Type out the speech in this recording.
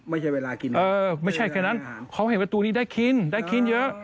ไม่ใช่เวลากินเออไม่ใช่แค่นั้นเขาเห็นประตูนี้ได้คินได้คินเยอะ